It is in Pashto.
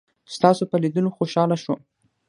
ستاسو په لیدلو خوشحاله شوم.